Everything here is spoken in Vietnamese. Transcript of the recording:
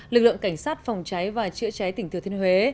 lực lượng cảnh sát phòng cháy và chữa cháy tỉnh thừa thiên huế